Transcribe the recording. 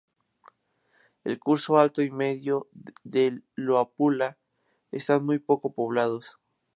El curso alto y medio del Luapula están muy poco poblados.